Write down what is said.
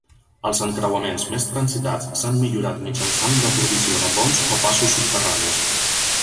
Els encreuaments més transitats s'han millorat mitjançant la provisió de ponts o passos subterranis.